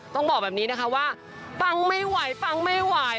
ต้องบอกแบบนี้นะคะว่าฟังไม่ไหวฟังไม่ไหว